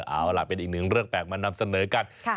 เอาล่ะเป็นอีกหนึ่งเรื่องแปลกมานำเสนอกัน